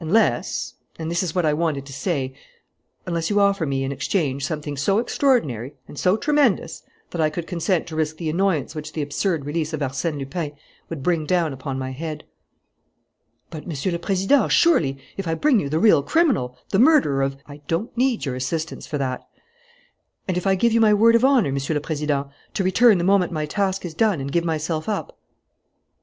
"Unless and this is what I wanted to say unless you offer me in exchange something so extraordinary and so tremendous that I could consent to risk the annoyance which the absurd release of Arsène Lupin would bring down upon my head." "But, Monsieur le President, surely, if I bring you the real criminal, the murderer of " "I don't need your assistance for that." "And if I give you my word of honour, Monsieur le Président, to return the moment my task is done and give myself up?"